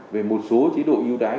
về một số chế độ ưu đãi